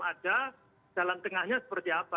ada jalan tengahnya seperti apa